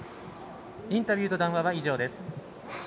インタビューと談話は以上です。